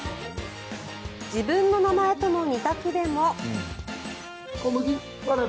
自分の名前との２択でも。